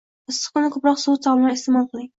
Issiq kunda ko`proq sovuq taomlar iste`mol qiling